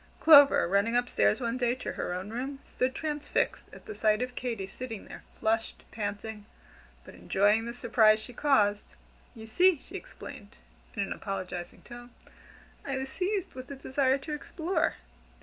Clover, running up stairs one day to her own room, stood transfixed at the sight of Katy sitting there, flushed, panting, but enjoying the surprise she caused. "You see," she explained, in an apologizing tone, "I was seized with a desire to explore.